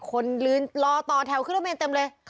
คนยืนรอต่อแถวขึ้นรถเมนเต็มเลย